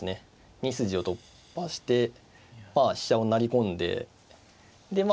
２筋を突破して飛車を成り込んででまあ